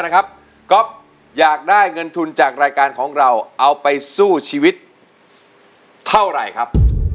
นะครับก๊อฟอยากได้เงินทุนจากรายการของเราเอาไปสู้ชีวิตเท่าไหร่ครับ